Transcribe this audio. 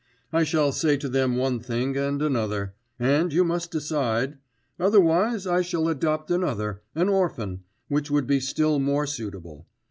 I shall say to them one thing and another ... and you must decide otherwise I shall adopt another an orphan which would be still more suitable.